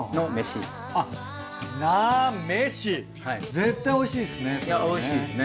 絶対おいしいですねそれはね。